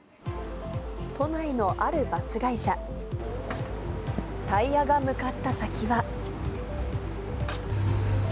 都内のあるバス会社、タイヤが向かった先は。